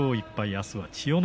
あすは千代ノ